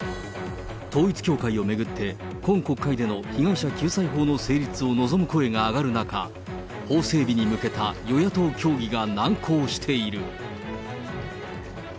統一教会を巡って、今国会での被害者救済法の成立を望む声が上がる中、法整備に向けた与野党協議が難航している。